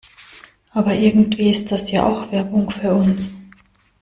Aber irgendwie ist das ja auch Werbung für uns.